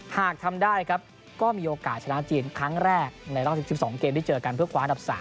หากทำได้ครับก็มีโอกาสชนะจีนครั้งแรกในรอบ๑๒เกมที่เจอกันเพื่อคว้าอันดับ๓